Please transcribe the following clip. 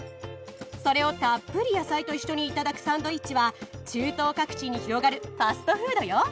それをたっぷり野菜と一緒にいただくサンドイッチは中東各地に広がるファストフードよ。